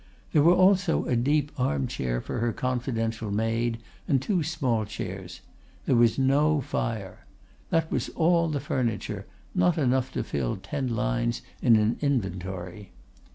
There were also a deep armchair for her confidential maid, and two small chairs. There was no fire. That was all the furniture, not enough to fill ten lines in an inventory.